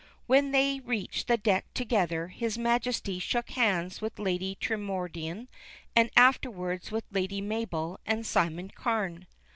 When they reached the deck together, his Majesty shook hands with Lady Tremorden, and afterwards with Lady Mabel and Simon Carne.